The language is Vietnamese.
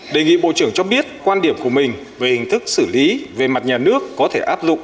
đề nghị bộ trưởng cho biết quan điểm của mình về hình thức xử lý về mặt nhà nước có thể áp dụng